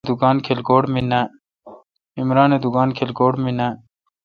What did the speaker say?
عمران اے° دکان کلکوٹ مے نان۔